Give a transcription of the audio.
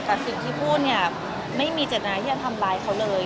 แต่สิ่งที่พูดเนี่ยไม่มีเจตนาที่จะทำร้ายเขาเลย